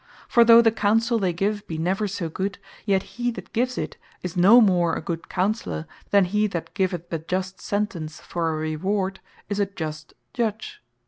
For though the Counsell they give be never so good; yet he that gives it, is no more a good Counsellour, than he that giveth a Just Sentence for a reward, is a just Judge.